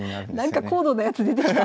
なんか高度なやつ出てきた。